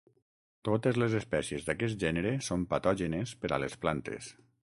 Totes les espècies d'aquest gènere són patògenes per a les plantes.